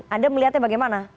anda melihatnya bagaimana